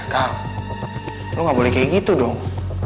kang lo gak boleh kayak gitu dong